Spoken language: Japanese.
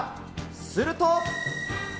すると。